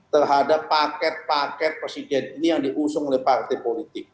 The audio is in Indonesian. terhadap paket paket presiden ini yang diusung oleh partai politik